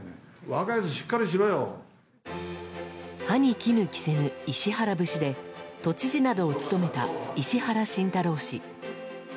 歯に衣着せぬ石原節で都知事などを務めた石原慎太郎氏。